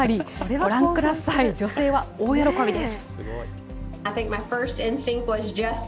ご覧ください、女性は大喜びです。